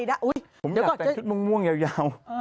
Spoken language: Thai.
ผมอยากใส่ชุดม่วงยาว